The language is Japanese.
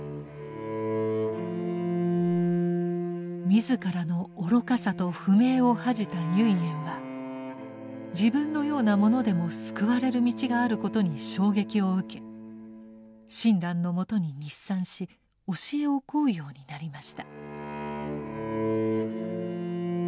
自らの愚かさと不明を恥じた唯円は自分のような者でも救われる道があることに衝撃を受け親鸞のもとに日参し教えを請うようになりました。